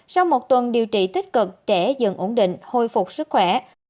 sau một tuần điều trị tích cực trẻ dừng ổn định hồi phục sức khỏe